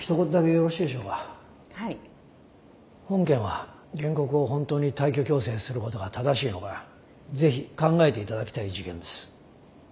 本件は原告を本当に退去強制することが正しいのか是非考えていただきたい事件です。